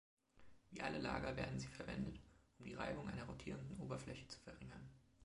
Wie alle Lager werden sie verwendet, um die Reibung einer rotierenden Oberfläche zu verringern.